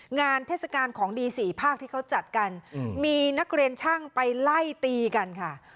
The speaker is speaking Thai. เทศกาลของดีสี่ภาคที่เขาจัดกันมีนักเรียนช่างไปไล่ตีกันค่ะ